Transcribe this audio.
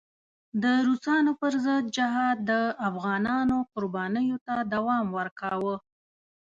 د روسانو پر ضد جهاد د افغانانو قربانیو ته دوام ورکاوه.